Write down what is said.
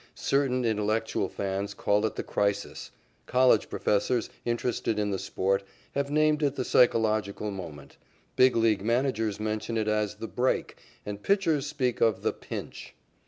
Certain intellectual fans call it the crisis; college professors, interested in the sport, have named it the psychological moment; Big League managers mention it as the "break," and pitchers speak of the "pinch."